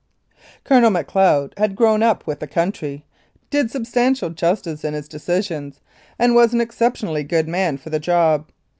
Colonel Macleod had grown up with the country, did substantial justice in his decisions, and was an exceptionally good man for the job.